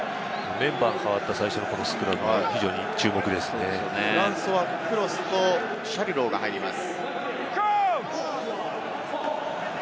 メンバーが変わった最初フランスはクロスとシャリュローが入ります。